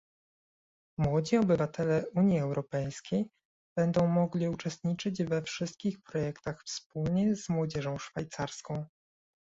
Młodzi obywatele Unii Europejskiej będą mogli uczestniczyć we wszystkich projektach wspólnie z młodzieżą szwajcarską